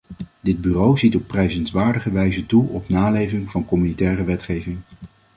Dit bureau ziet op prijzenswaardige wijze toe op naleving van communautaire wetgeving.